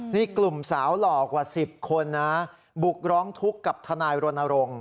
นี่กลุ่มสาวหล่อกว่า๑๐คนนะบุกร้องทุกข์กับทนายรณรงค์